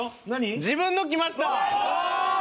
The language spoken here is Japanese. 自分のきました！